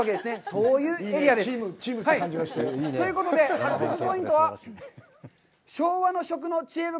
そういうエリアです。ということで、発掘ポイントは、昭和の食の知恵袋！